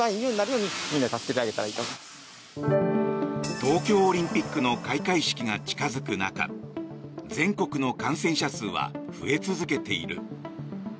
東京オリンピックの開会式が近付く中全国の感染者数は増え続けている。